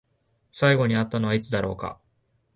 最後に会ったのはいつだろうか？